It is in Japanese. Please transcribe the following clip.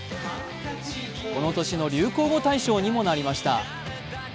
この年の流行語大賞にもなりました。